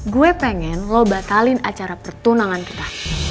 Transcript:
gue pengen lo batalin acara pertunangan kita